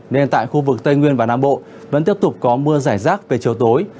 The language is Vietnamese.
nên tại khu vực tây nguyên và nam bộ vẫn tiếp tục có mưa giải rác về chiều tối